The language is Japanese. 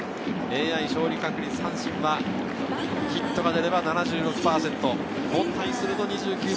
ＡＩ勝利確率、阪神はヒットが出れば７６％、凡退すると２９％。